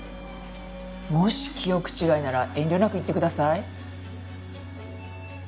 もし記憶違いなら遠慮なく言ってください。